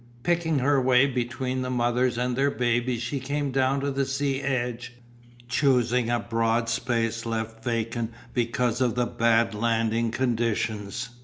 Picking her way between the mothers and their babies she came down to the sea edge, choosing a broad space left vacant because of the bad landing conditions.